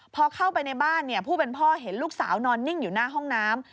พอเข้าไปในบ้านผู้เป็นพ่อเห็นลูกสาวนอนนิ่งอยู่หน้าห้องน้ำ